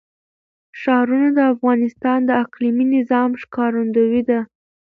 ښارونه د افغانستان د اقلیمي نظام ښکارندوی ده.